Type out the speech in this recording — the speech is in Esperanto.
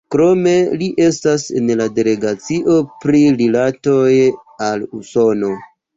Krome li estas en la delegacio pri rilatoj al Usono.